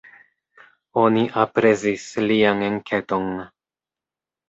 Oni aprezis lian enketon.